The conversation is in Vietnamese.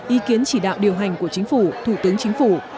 ý kiến chỉ đạo điều hành của chính phủ thủ tướng chính phủ